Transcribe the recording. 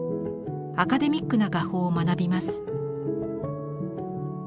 アカデミックな画法を学びます。